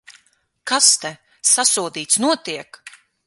Kas te, sasodīts, notiek?